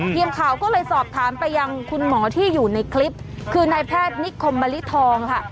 ทีมข่าวก็เลยสอบถามไปยังคุณหมอที่อยู่ในคลิปคือนายแพทย์นิคมมะลิทองค่ะ